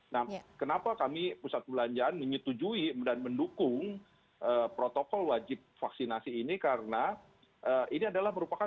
nah kenapa kami pusat perbelanjaan menyetujukan